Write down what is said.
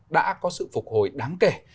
đã có sự phục hồi đáng kể